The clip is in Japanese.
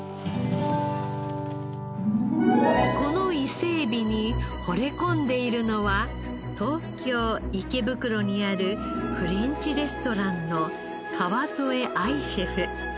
この伊勢えびに惚れ込んでいるのは東京池袋にあるフレンチレストランの川副藍シェフ。